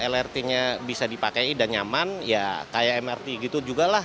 lrt nya bisa dipakai dan nyaman ya kayak mrt gitu juga lah